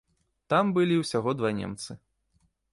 Там былі ўсяго два немцы.